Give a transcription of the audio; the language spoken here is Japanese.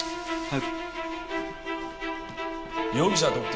はい。